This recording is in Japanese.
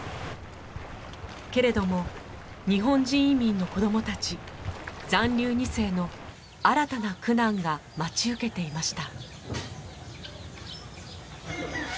けれども日本人移民の子どもたち残留２世の新たな苦難が待ち受けていました。